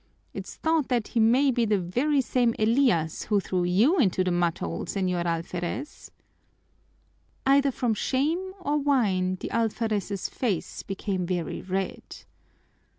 It's thought that he may be the very same Elias who threw you into the mudhole, señor alferez." Either from shame or wine the alferez's face became very red.